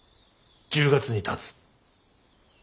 １０月にたつ。